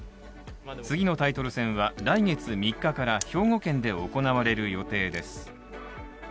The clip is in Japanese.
次のタイトル戦は来月３日から兵庫県で行われる予定です。